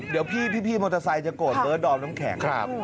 เดี๋ยวพี่มอเตอร์ไซค์จะโกรธเบิร์ดดอมน้ำแข็ง